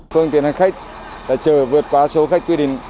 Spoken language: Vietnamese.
phương tiện khách chở vượt qua số khách quy định